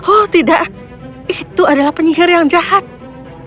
oh tidak itu adalah penyihir yang jahat dia dilarang disini